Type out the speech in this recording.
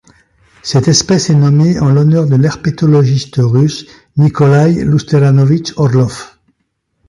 Cette espèce est nommée en l'honneur de l'herpétologiste russe Nikolai Lutseranovich Orlov.